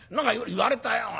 「言われたよ。